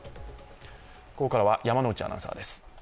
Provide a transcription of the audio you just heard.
ここからは山内アナウンサーです。